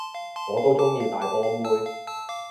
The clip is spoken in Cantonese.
我都鍾意大波妹